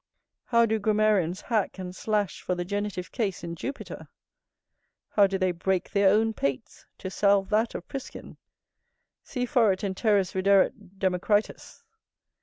How do grammarians hack and slash for the genitive case in Jupiter! How do they break their own pates, to salve that of Priscian! "_Si foret in terris, rideret Democritus.